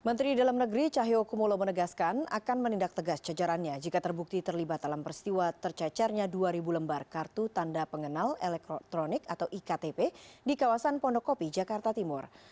menteri dalam negeri cahyokumolo menegaskan akan menindak tegas jajarannya jika terbukti terlibat dalam peristiwa tercecernya dua ribu lembar kartu tanda pengenal elektronik atau iktp di kawasan pondokopi jakarta timur